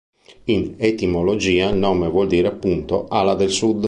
In etimologia il nome vuol dire appunto "Ala del Sud".